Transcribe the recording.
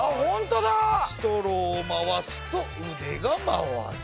ストローを回すと腕が回る。